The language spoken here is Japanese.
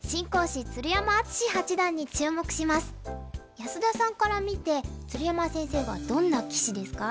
安田さんから見て鶴山先生はどんな棋士ですか？